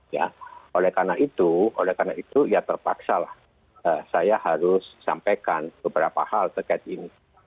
ya oleh karena itu ya terpaksa lah saya harus sampaikan beberapa hal terkait ini